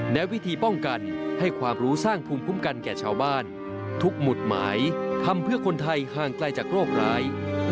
และวิธีป้องกันให้ความรู้สร้างภูมิคุ้มกันแก่ชาวบ้านทุกหมุดหมายทำเพื่อคนไทยห่างไกลจากโรคร้าย